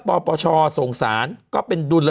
มันติดคุกออกไปออกมาได้สองเดือน